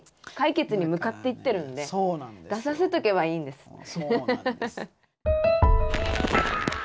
解決に向かっていってるんで出させとけばいいんです。